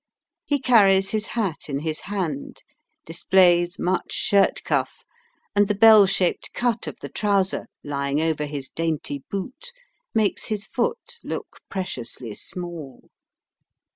He carries his hat in his hand, displays much shirt cuff; and the bell shaped cut of the trouser lying over his dainty boot makes his foot look preciously small.